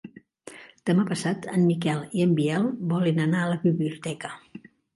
Demà passat en Miquel i en Biel volen anar a la biblioteca.